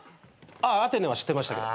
アテネは知ってましたけど。